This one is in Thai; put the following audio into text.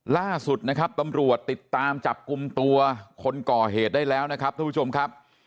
ล่าสุดนะครับตำรวจติดตามจับกลุ่มตัวคนก่อเหตุได้แล้วนะครับท่านผู้ชมครับ